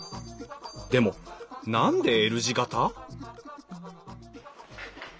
でも何でＬ字形？